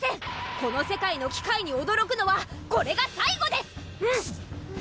この世界の機械におどろくのはこれが最後です！